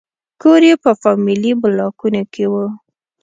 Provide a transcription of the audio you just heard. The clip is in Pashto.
کور یې په فامیلي بلاکونو کې و.